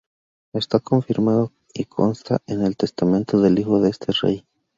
Está confirmado y consta en el testamento del hijo de este rey.